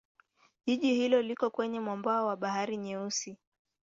Jiji hilo liko kwenye mwambao wa Bahari Nyeusi.